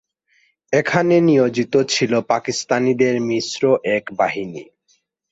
এখানে নিয়োজিত ছিল পাকিস্তানিদের মিশ্র এক বাহিনী।